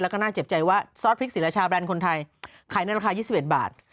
แล้วก็น่าเจ็บใจว่าซอสพริกศรีราชาแรนด์คนไทยขายในราคา๒๑บาท